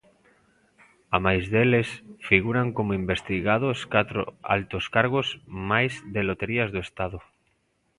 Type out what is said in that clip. Amais deles, figuran como investigados catro altos cargos máis de Loterías do Estado.